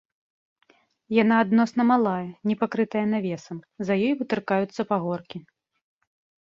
Яна адносна малая, не пакрытая навесам, за ёй вытыркаюцца пагоркі.